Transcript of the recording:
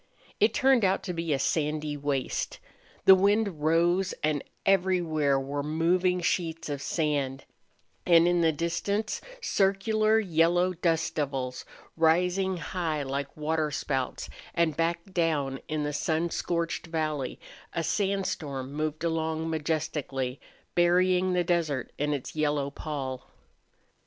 It turned out to be a sandy waste. The wind rose and everywhere were moving sheets of sand, and in the distance circular yellow dust devils, rising high like water spouts, and back down in the sun scorched valley a sandstorm moved along majestically, burying the desert in its yellow pall.